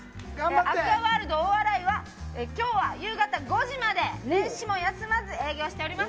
アクアワールド大洗は今日は夕方５時まで年始も休まず営業しております。